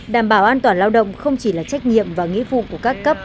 đảm bảo an toàn lao động không chỉ là trách nhiệm và nghĩa vụ của các cấp